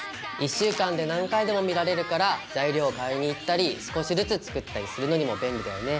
１週間で何回でも見られるから材料を買いに行ったり少しずつ作ったりするのにも便利だよね！